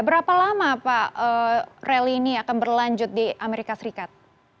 berapa lama pak rally ini akan berlanjut di amerika serikat